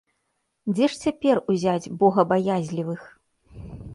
Дзе ж цяпер узяць богабаязлівых?